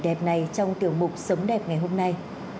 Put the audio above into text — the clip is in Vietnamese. đẹp này trong tiểu mục sống đẹp ngày hôm nay